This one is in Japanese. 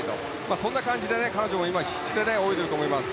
そんな感じで、彼女も必死で泳いでいると思います。